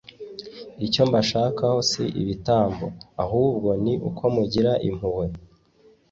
‘icyo mbashakaho si ibitambo, ahubwo ni uko mugira impuhwe’